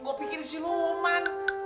gua pikir si luman